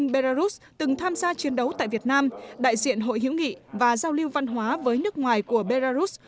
belarus từng tham gia chiến đấu tại việt nam đại diện hội hữu nghị và giao lưu văn hóa với nước ngoài của belarus